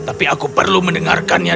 tapi aku perlu mendengarkannya